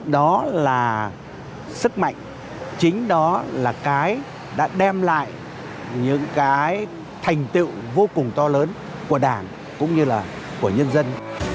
đó là sức mạnh chính đó là cái đã đem lại những cái thành tựu vô cùng to lớn của đảng cũng như là của nhân dân